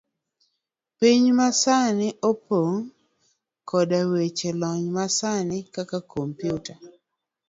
Piny masani opong' koda weche lony masani, kaka komputa.